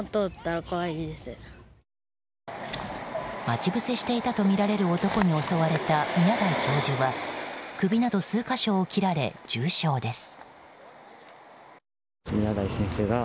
待ち伏せしていたとみられる男に襲われた宮台教授は首など数か所を切られ重傷です。